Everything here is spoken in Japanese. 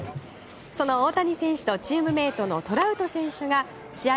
その大谷選手とチームメートのトラウト選手が試合